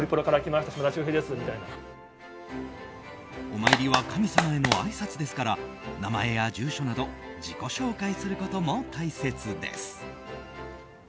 お参りは神様へのあいさつですから名前や住所など自己紹介することも大切です。